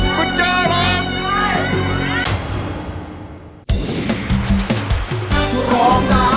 คุณโจ้ร้อง